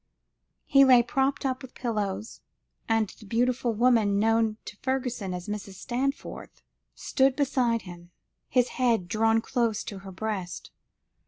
He lay propped up with pillows, and the beautiful woman known to Fergusson as Mrs. Stanforth, stood beside him, his head drawn close to her breast.